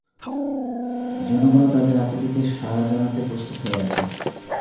জনগণও তাদের আকুতিতে সাড়া জানাতে প্রস্তুত হয়ে আছে।